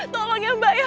tolong ya mbak ya